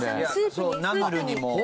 そうナムルにも。